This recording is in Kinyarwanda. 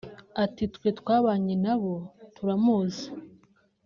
ati twe twabanye nabo turamuzi